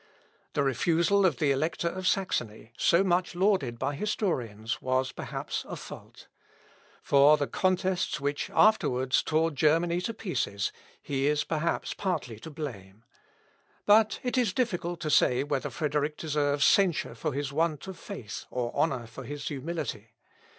The refusal of the Elector of Saxony, so much lauded by historians, was perhaps a fault. For the contests which afterwards tore Germany to pieces he is perhaps partly to blame. But it is difficult to say whether Frederick deserves censure for his want of faith or honour for his humility.